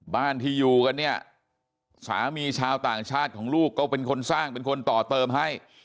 บ้านที่อยู่กันเนี่ยสามีชาวต่างชาติของลูกก็เป็นคนสร้างเป็นคนต่อเติมให้